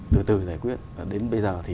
từ từ giải quyết đến bây giờ thì